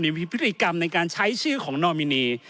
มีพฤติกรรมในการใช้ชื่อของนอมินี